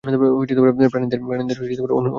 প্রাণীদের অনুসরণ করো।